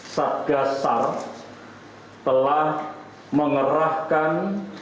satgasar telah mengerahkan